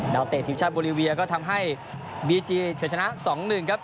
เตะทีมชาติโบรีเวียก็ทำให้บีจีเฉินชนะ๒๑ครับ